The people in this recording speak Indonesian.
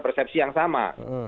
persepsi yang sama